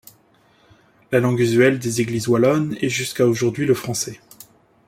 La langue usuelle des églises wallonnes est jusqu'à aujourd'hui le français.